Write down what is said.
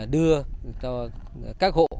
đưa cho các hộ